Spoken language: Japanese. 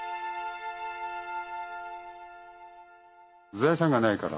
財産がないから。